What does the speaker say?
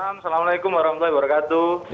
assalamualaikum warahmatullahi wabarakatuh